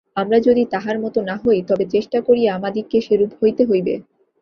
আমরা যদি তাঁহার মত না হই, তবে চেষ্টা করিয়া আমাদিগকে সেরূপ হইতে হইবে।